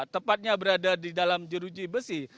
tepatnya berada di dalam jeruji besi